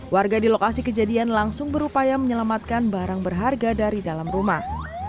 warga di lokasi kejadian langsung berupaya menyelamatkan barang berharga dari dalam rumah